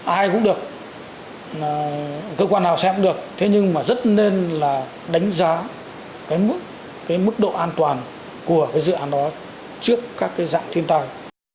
ai cũng được cơ quan nào xem được thế nhưng mà rất nên là đánh giá cái mức cái mức độ an toàn của cái dự án đó trước các cái dạng thiên tai